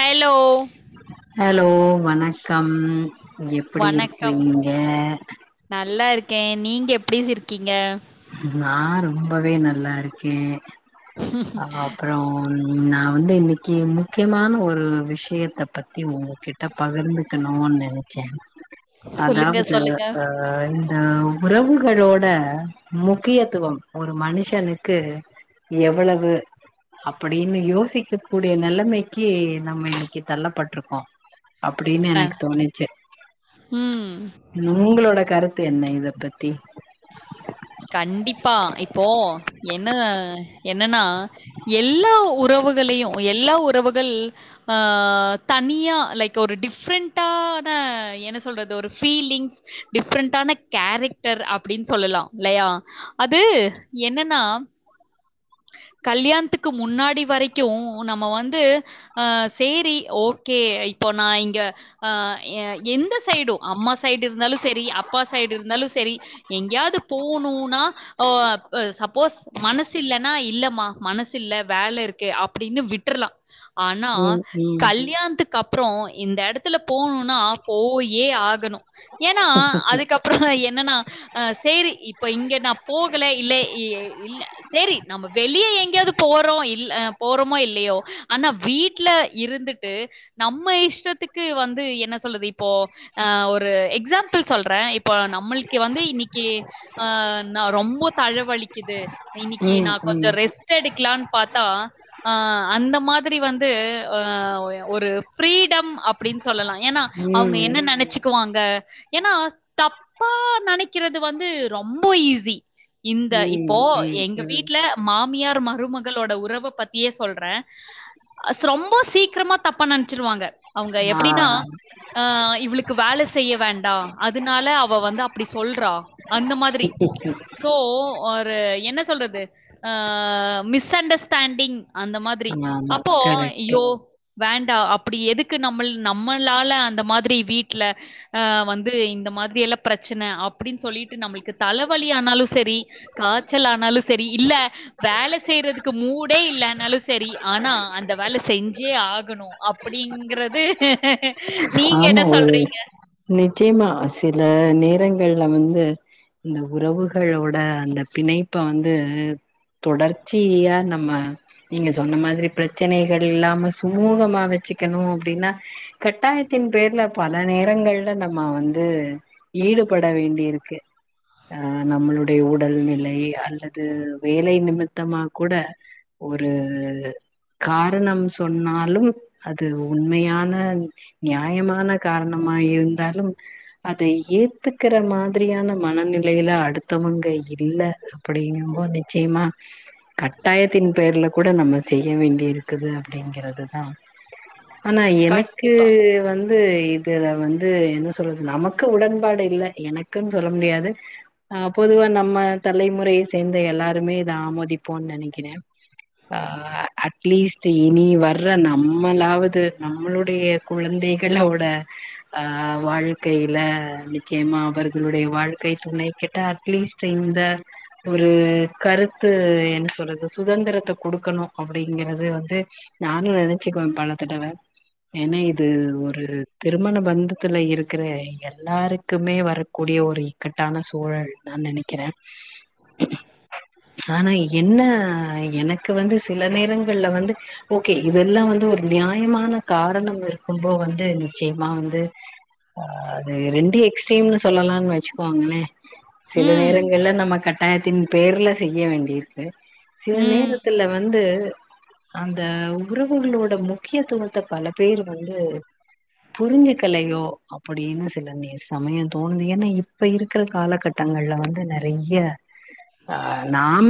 Hello! Hello வணக்கம் எப்படி வணக்கம். இருக்றீங்க கே நீங்க எப்டி இருக்கீங்க நா ரொம்பவே நல்லாருக்கே ஆ அப்றோம் நா வந்து இன்னைக்கு முக்கியமான ஒரு விஷயத்த பத்தி உங்ககிட்ட பகிர்ந்துக்கணுன் நெனச்ச சொல்லுங்க, அதாவுது சொல்லுங்க. அ உறவுகளோட முக்கியத்துவம் ஒரு மனுஷனுக்கு எவ்வள வு அப்படின்னு யோசிக்க கூடிய நெலைமைக்கு நம்ம இன்னைக்கு தள்ளப்பட்ருக்கோ அப்படின்னு அ. எனக்கு தோணிச்சு ம். உங்களோட கருத் து என்ன இத பத்தி கண்டிப்பா இப்போ என்ன என்னனா எல்லா உறவுகளையு எல்லா உறவுகள் ஆஹ் தனியா லைக் ஒரு டிஃப்ரெண்டான என்ன சொல்றது ஒரு ஃபீலிங் டிஃப்ரெண்டான கேரெக்டர் அப்டின் சொல்லலா லையா அது என்னன்னா கல்யாண்த்துக்கு முன்னாடி வரைக்கு நம்ம வந்து அஹ் சேரி ஓகே இப்போ நா இங்க அஹ் எ எந்த சைடு அம்மாஸ் சைடு இருந்தாலு சரி அப்பா சைடு இருந்தாலு சரி கியாது போனூனா ஓ அப் சப்போஸ் மனசில்லனா அ இல்லமா மனசில்ல வேல இருக்கு அப்டின்னு விட்றலா ஆனா ம் ம் கல்யாண்த்துக்கப் ப்றோ இந்த எடத்துல போணுனா போய் ஏ ஆகணு ஏனா அதுக்கப்றொதா என்னனா சிரி இப்ப இங்க நா போகல இலே இ இல்ல சேரி நம்ம வெளிய எங்கெயாது போறோ இல் அ போறமோ இல்லையொ ஆனா வீட்ல இருந்துட்டு நம்ம இஷ்டத்துக்கு வந்து என்ன சொல்றது இப்போ ஆ ஒரு எக்ஸாம்பிள் சொல்றே இப்பொ நம்மல்க்கு வந்து இனி ஈ ஆஹ் நா ரொம்ப தலவலிக்கிது இன்னிக்கி ம், நா கொஞ்சொ ம், ரெஸ்ட் எடுக்லான் பாத்தா அ அந்த மாதிரி வந்து அ ஒரு ஃப்ரீடம் அப்டின்ஸ் சொல்லலா ஏனா அவுங்க ம், என்ன நெனச்சிக்குவாங் க எனா தப்பா நெனைக் கிறது வந்து ரொம்பொ ஈஸி இந்த இப்போ ம், ம், எங்க ம். வீட்ல மாமியார் மருமகளோட உறவ பத்தியே சொல்றே ஸ்ரொம்பொ சீக்ரமா தப்பா நெனச்சிருவாங்க அவுங்க ஆ. எப்டினா ஆஹ் இவ்ளுக்கு வேலை செய்ய வேண்டா அதுனால அவ வந்து அப்டி சொல்றா அந்த மாதிரி சோ அ ப என்ன சொல்றது அ மிஸ் அண்டர்ஸ்டேண்டிங் அந்த மாதிரி ஆமா. அப்போ கரெக்ட்டு. யோ வேண்டா அப்டி எதுக்கு நம்மள் நம்மளால அந்த மாதிரி வீட்ல ஆஹ் வந்து இந்த மாத்ரி எல்லா பிரச் சன அப்டின் சொல்லிட்டு நம்ளுக்கு தலவலி ஆனாலு செரி காச்சல் ஆனாலு செரி இல்ல வேல செய்றதுக்கு மூடே இல்லேனாலு செரி ஆனா அந்த வேல செஞ்சே ஆக் கணு அப்டிங்றது ஆமா ஒரு நிச்சயமா சில நே ரங்கள்ல வந்து இந்த உறவுகளோட அந்த பிணைப்ப வந்து தொடர்ச்சியா நம்ம நீங்க சொன்ன மாதிரி பிரச்சனைகள் இல்லாம சுமூகமா வச்சுக்கணு அப்படின்னா கட்டாய த்தின் பேர்ல பல நேரங்கள்ல நம்ம வந்து ஈடுபட வேண்டியிருக்கு ஆஹ் நம்மளுடைய உடல் நிலை அல்லது வேலை நிமித்தமா கூட ஒரு காரணம் சொன்னாலும் அது உண்மையான நியாயமான காரணமா இருந்தாலும் அதை ஏத்துக்கிற மாதிரியான மனநிலையில அடுத்தவங்க இல்ல அப்பிடீங்கும்போது ச்சயமா கட்டாயத்தின் பேர்ல கூட நம்ம செய்ய வேண்டி இருக்குது அப்டிங்றதுதா ஆனா எனக்கு கண்டிப்பா. வந்து இதுல வந்து என்ன சொல்து நமக்கு உடன்பாடு இல்ல எனக்குன் சொல்ல முடியாது அஹ் பொதுவா நம்ம தலைமுறையை சேர்ந்த எல்லாருமே இத ஆமோதிப்போன் நெனைக்கிறே ஆஹ் அட்லீஸ்ட் இனி வர்ற நம்மளாவது நம்மளுடைய குழந்தை கெல்லாவோட அ வாழ்க்கையில நிச்சயமா அவர்களுடைய வாழ்க்கை துணை கிட்ட அட்லீஸ்ட் இந்த ஒரு கருத்து என்ன சொல்றது சுதந்திரத்த குடுக்கணு அப்டிங்கறது வந்து நானு நெனச்சுக்குவே பல தடவ ஏனா இது ஒரு திருமண பந்தத்துல இருக்கிற எ ல்லாருக்குமே வரக்கூடிய ஒரு இ கட்டான சூழல் தா நெனைக்கிறே ஆனா என்ன எனக்கு வந்து சில நேரங்கள்ல வந்து ஓகே இதெல்லா வந்து ஒரு நியாயமான காரணம் இருக்கும்போ வ ந்து நிச்சயமா வந்து அது ரெண்டு எக்ஸ்ட்ரீம்னு ஸ் சொல்லலான் வெச்சுக்குவாங்ளே சில ம். நேரங்கள்ல நம்ம கட்டாயத்தின் பேர்ல செய்ய வேண்டியிருக்கு சில ம். நேரத்துல வந்து அந்த உறவுகளோட முக்கியத்துவத்த பல பேரு வந்து புரிஞ்சுக்கலையோ அப்படினு சில நெ சமயோ தோணுது ஏனா இப்ப இருக்கற காலகட்டங்கள்ல வந்து நெறைய்ய ஆ நாம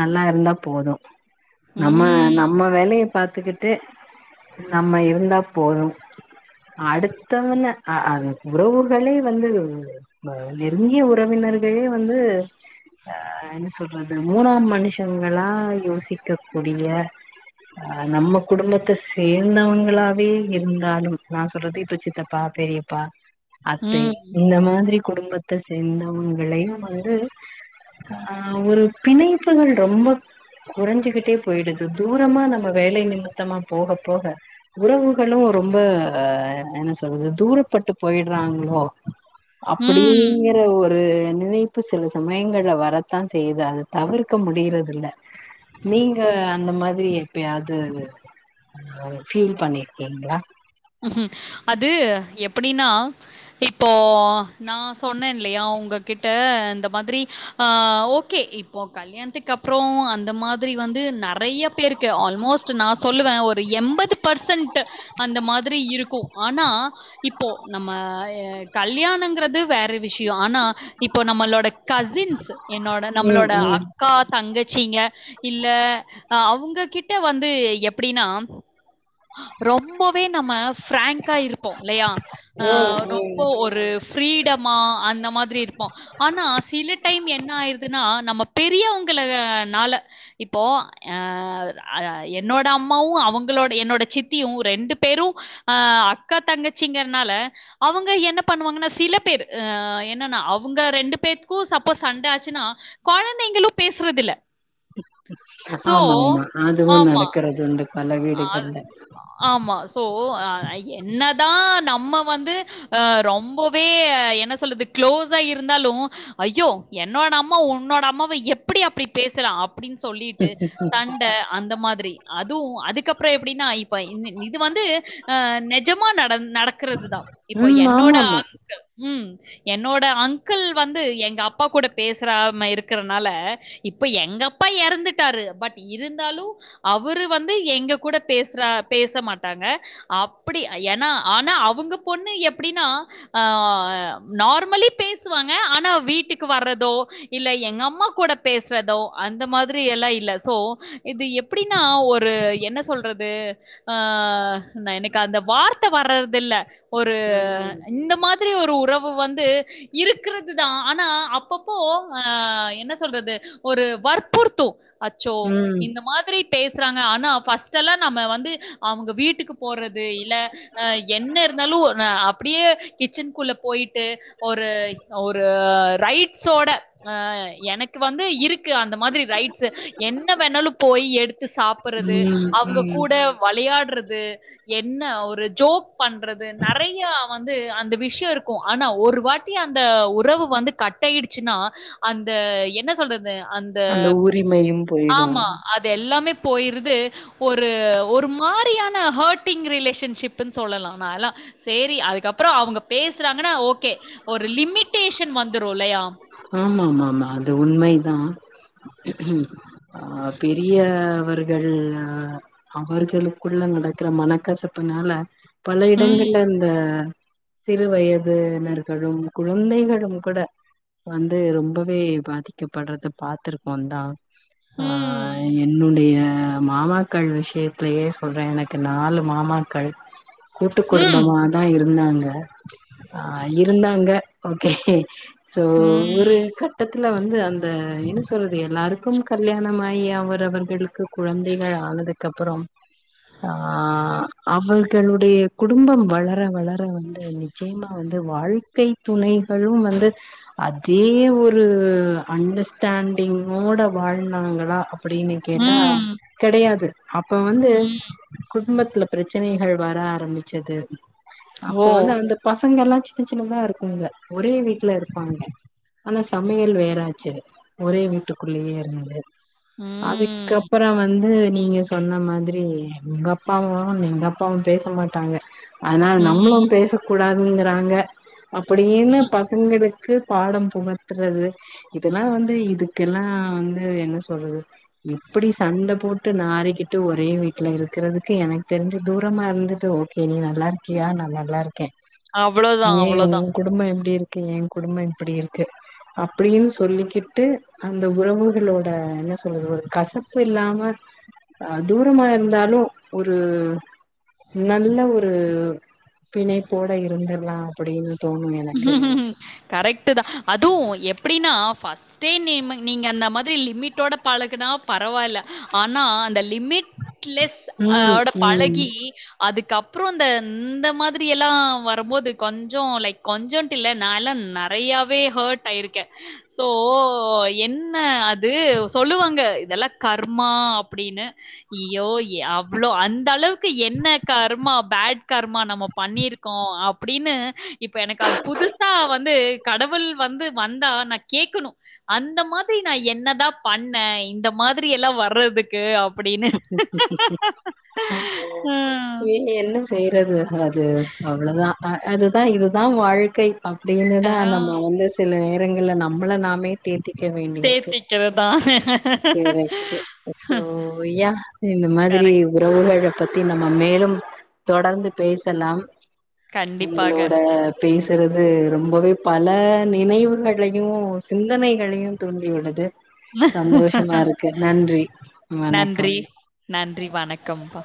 நல்லா இருந்தா போது நம்ம ம். ம். நம்ம வேலய பாத்துக்கிட்டு நம்ம இருந்தாப் போது அடுத்தவன அ அது உறவுகளே வந்து ம நெருங்கிய உறவினர்களே வந்து அ என்ன சொல்றது மூணாம் மனுஷங்களா யோசிக்க கூடிய அ நம்ம குடும்பத்த சேந்தவங்களாவே இருந்தாலும் நா சொல்றது இப்ப சித்தப்பா பெரியப்பா அத்தே ம். இந்த மாதிரி குடும்பத்த சேந்த அவுங்களையு வந்து அ ஒரு பிணைப்புகள் ரொம்ப குறைஞ்சுகிட்டே போயிடுது தூரமா நம்ம வேலை நிமித்தமா போக போக உறவு களு ரொம்ப என்ன சொல்றது தூரப்பட்டு போய்ட்றாங்ளோ ம். அப்பிடீங்கற ஒ ரு நினைப்பு சில சமயங்கள்ல வரத்தா செய்யுது அத தவிர்க்க முடிறதில்ல நீங்க அந்த மாதிரி எப்பயாது அ ஃபீல் பண்ணி கிங்ளா ம்‌ஹூ அது எப்பிடின்னா இப்போ நா சொன்னேன்லியா உங்ககிட்ட இந்த மாதிரி ஆஹ் ஓகே இப்போ கல்யாண்த்துக்கு அப்பறோ அந்த மாதிரி வந்து நறைய பேருக்கு ஆல்மோஸ்ட் நா சொல்லுவே ஒரு எம்பது பர்சன்ட் அந்த மா திரி இருக்கு ஆனா இப்போ நம்ம ய கல்யாணங்கிறது வேற விஷ்யோ ஆனா இப்போ நம்மளோ ட கசின்ஸ் என்னோட ம் நம்மளோட ம் அக்கா தங்க ச்சிங்க இல்ல அவுங்க கிட்ட வந்து எப்பிடின்னா ரொம்பவே நம்ம ஃப்ரேங்க்கா இருப்போ இல்லையா ம் ஆஹ் ரொம்ப ம் ஒரு ஃரீடமா அந்த மாதிரி இருப்போ ஆனா சில டைம் என்ன ஆயிருதுனா நம்ம பெரியவங்கள நால இப்போ அ அ என்னோட அம்மாவு அவங்களோ என்னோட சித்தியு ரெண்டு பேரு அஹ் அக்கா தங்கச்சிங்கர்னால அவுங்க என்ன பண்ணுவாங்கனா சில பேரு அ என்னன்னா அவுங்க ரெண்டு பேத்துக்கு சப்போஸ் சண்ட ஆச்சுனா கொழந்தைங்களு பேசுறதில்ல ஆமா ஆமா அதுவு நடக்கறது உண்டு அ பல அ அது வீடுகள்ல ஆமா சோ அ என் னதா நம்ம வந்து அ ரொம்பவே என்ன சொல்றது க்ளோஸா இருந்தாலு ஐயோ என்னோட அம்மா உன்னோட அம்மாவ எப்பிடி அப்பிடி பேசலா அ ப்டின் சொல்லிட்டு சண்ட அந்த மாதிரி து அதுக்கப்ற எ எப்டின்னா இப்ப இது வந்து ஆ நெஜமா நடந் நடக்கறதுதா இப்ப ம் என்னோட ஆமா ஆமா அங்கிள் ம் என்னோட அங்கிள் வந்து எங்க அப்பா கூட பேசுறாம இருக்கறனால இப்ப எங்க அப்பா எறந்துட்டாரு பட் இருந்தாலு அ வரு வந்து எங்க கூட பேசறா பேச மாட்டாங்க அப்படி ஏனா ஆனா அவுங்க பொண்ணு எப்டின்னா நார்மலி பேசுவாங்க ஆனா வீட்டுக்கு வர்றதோ இல்ல எங்க அம்மா கூட பேசறதோ அந்த மாதிரி எல்லா இல்ல சோ இது எப்படி ன்னா ஒரு என்ன சொல்றது ஆ எனக்கு அந்த வார்த்த வர்றதில்ல ஒரு ம் இந்த மாதிரி ஒரு உறவு வந்து இரு க்கறதுதா ஆனா அப்பப்போ ஆ என்ன சொல்றது ஒரு வற்புறுத்து அச்சோ ம் இந்த மாத்ரி பேஸ்றாங்க ஆனா ஃப்ர்ஸ்ட்னல்லா நம்ம வந்து அவங்க வீட் டுக்கு போறது இல்ல என்ன இருந்தாலு ந அப் ப்டியே கிச்சன்க்குள்ள போயிட்டு ஒரு ஒரு ரைட்ஸோட எனக்கு வந்து இருக்கு அந்த மாதுரி ரைட்ஸ் என்ன வேணாலும் போய் சாப்புறது ம் அவ்ங்க ம் கூட வளையாட்றது என்ன ஒரு ஜோக் பண்றது நறைய வந்து அந்த விஷிய இருக்கு ஆனா ஒரு வாட்டி அந்த உறவு வந்து கட்டாயிடுச்சுன்னா அந்த என்ன சொல்றது அந்த உரிமையும் போயிடு ஆமா அது எல்லாமே போயிருது ஒரு ஒரு மாரியான ஹேட்டிங் ரிலேஷன்ஷிப்புன் சொல்லலா சேரி அதுக்கப்றோ அவுங்க பேசறாங்கனா ஓகே ஓரு லிமிடேஷன் வந்துருல்லயா ஆமாமாமா அது உண்மைதா ஆ பெரிய அவர்கள் அவர்களுக்குள்ள நடக்குற மனக்கசப்புனால பல ம். இடங்கள் அந்த சிறு வயதுனர்களு குழந்தைகளும் கூட வந்து ரொம்பவே பாதிக்கப்பட்றத பாத்துருக்கோ தா ஆ ம். என்னுடைய அ மாமாக்கள் விஷயத்தயே சொல்ற எனக்கு நாலு மாமாக்கள் கூட்டு ம். ம். குடும்பமாதா இருந்தாங்க அ இருந்தாங்க ஓகே து ம், ஒரு ம். கட்ட துல வந்து அந்த என்ன சொல்றது எல்லாருக்கு கல்யாண ஆயி அவர் அவர்களுக்கு குழந்தைகள் ஆனதுக்கு அப்புற அ அவர்களுடைய குடும்பம் வளர வளர வந்து நிச்சயமா வந்து வாழ்க்கை துணைகளு வந்து அதே ஒரு அண்டர்ஸ்டாண்டிங்கோட வாழ்தாங்களா ப்டினு கேட்டா ம், கெடையாது அப்ப வந்து ம். குட்ம்பத்ல ப்ரச்சனைகள் வர ஆரம்மிச்சது ஓ! அப்போ வந்து அந்த பசங்கலா சி சின்ன சின்னதா இருக்குங்க ஒரே வீட்டுல இருப்பாங்க ஆனா சமையல் வேறாச்சு ஒரே வீட்டுக்குள்ளயே இருந்து ம், அதுக்கப்பற வந்து நீங்க சொன்ன மாதிரி உங்க அப்பாவு எங்க அப்பாவு பேச மாட்டாங்க அதனால ம். நம்மளும் பேசக்கூட துங்கிறாங்க அப்படின்னு பசங்களு க்கு பாடம் புகட்றது இதெல்லா வந்து இதுக்கெல்லா வந்து என்ன சொல்றது எப்படி சண்டை போட் ட்டு நாரிக்கிட்டு ஒரே வீட்டுல இருக்கிறதுக்கு எனக்கு தெரிஞ்சு தூரமா இருந்துட்டு ஓகே நீ நல்லா இருக்கியா நா நல்லா இருக் கே அவ்ளோதான், ஏ அவ்ளோதான். உங்க குடும்பம் எப்படி இருக் எங் குடும்பம் அப்படி இருக்கு அப்படின்னு சொல்லிக்கிட்டு அந்த உறவுகளோட என்ன சொல்றது ஒரு கசப்பு இல்லாம தூரமா இருந்தாலு ஒரு நல்ல ஒரு பிணைப்போட இருந்துடலா அப்படின்னு கரெக்ட் டு தா அதுவு எப்படின்னா ஃபஸ்ட்டே நீ நீங்க அந்த மாதிரி லிமிட்டோட பழகுனா பரவால்ல ஆனா அந்த லிமிட்லெஸ் ம் ஓட ம் பழகி அதுக்கப்பற இந்த இந்த மாதிரி எல்லா வரம்போது கொஞ்ச லைக் கொஞ்சன்ட்டு இல்ல நால்லாம் நறையாவே ஹர்ட் ஆயிருக்கே சோ என்ன அது சொல்லுவாங்க இதெல்லா கர்மா அப்படின்னு ஐயோ அவ்வளோ அந்த அளவுக்கு என்ன கர்மா பேட் கர்மா நம்ம பண்ணிருக்கோ அப்படின்னு இப்ப எனக்கு அது புதுசா வந்து கடவுள் வந்து வந்தா நா கேட்கணு அந்த மாதிரி நா என்னதா பண்ணே இந்த மாதிரி எல்லா வர்றதுக்கு அப் ம். ஏ என்ன செய்யறது அது அவ்வளதா அ அதுதா இதுதா வாழ்க்கை ஆ அப்படின்னுதா நம்ப வந்து சில நே ரங்கலா நம்மள நாமே தே தேத்திக்கறதா பொய்யா இந்த மாதிரி உறவுகள் பத்தி நம்ம மேலும் தொடர்ந்து பேசலாம் கண்டிப்பாக. உங்களோட பேச திருது ரொம்பவே பல நினைவுகளையு சிந்தனைகளையு தூண்டி உள்ளது சந்தோஷமா இருக்கு நன்றி வணக் றி நன்றி வணக்கம்ப்பா